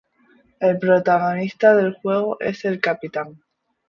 El protagonista del juego es el Cpt.